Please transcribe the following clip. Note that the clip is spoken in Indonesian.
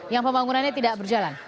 yang pembangunannya tidak berjalan